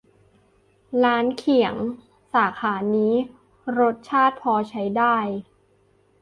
ร้านเขียง สาขานี้รสชาติพอใช้ได้